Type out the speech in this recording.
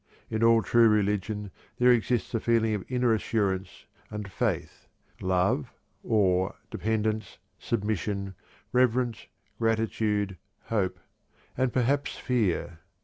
In all true religion there exists a feeling of inner assurance and faith, love, awe, dependence, submission, reverence, gratitude, hope, and perhaps fear.